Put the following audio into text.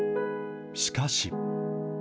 しかし。